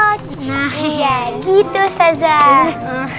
nah iya gitu ustazah